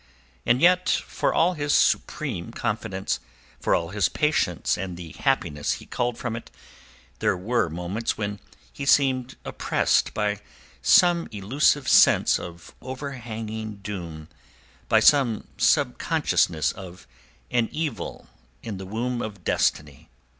And yet for all his supreme confidence, for all his patience and the happiness he culled from it, there were moments when he seemed oppressed by some elusive sense of overhanging doom, by some subconsciousness of an evil in the womb of Destiny.